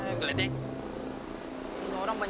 mereka mereka mereka czyt orang orang sini